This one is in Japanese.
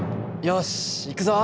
よしいくぞ！